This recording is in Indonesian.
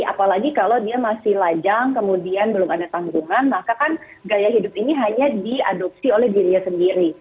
apalagi kalau dia masih lajang kemudian belum ada tanggungan maka kan gaya hidup ini hanya diadopsi oleh dirinya sendiri